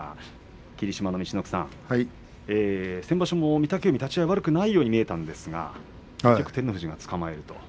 霧島の陸奥さん、先場所の御嶽海立ち合いはよくないように見えましたが照ノ富士がつかまえました。